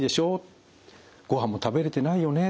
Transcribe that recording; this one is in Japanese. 「ごはんも食べれてないよね」